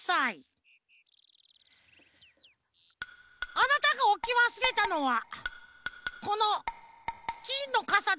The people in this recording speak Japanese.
あなたがおきわすれたのはこのきんのかさですか？